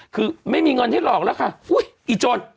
คือไม่มีงงอนที่หลอกละค่ะอุ๊ยอีทธุ์โจน